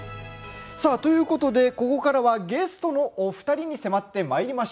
さあ、ということでここからはゲストのお二人に迫ってまいります。